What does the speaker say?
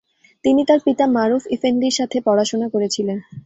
তিনি তাঁর পিতা মারুফ ইফেন্দির সাথে পড়াশোনা করেছিলেন।